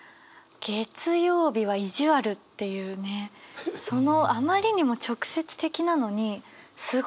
「月曜日は意地わる」っていうねそのあまりにも直接的なのにすごく分かる。